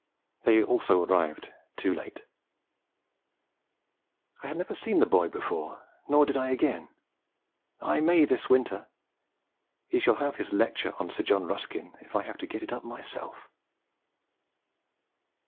They also arrived too late. I had never seen the boy before, nor did I again. I may this winter. He shall have his 'lecture on Sir John Ruskin' if I have to get it up myself!